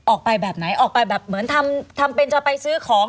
ออกไปแบบไหนออกไปแบบเหมือนทำทำเป็นจะไปซื้อของ